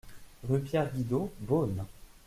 Rue Pierre Guidot, Beaune